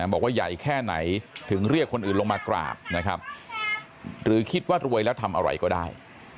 บอกว่าใหญ่แค่ไหนถึงเรียกคนอื่นลงมากราบนะครับหรือคิดว่ารวยแล้วทำอะไรก็ได้